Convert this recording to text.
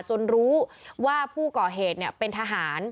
จนรู้ว่าผู้ก่อเหตุเนี่ยเป็นทหาร